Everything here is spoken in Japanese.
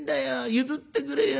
譲ってくれよ」。